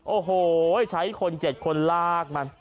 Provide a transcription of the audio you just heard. โอ้โหใช้คน๗คนลากมัน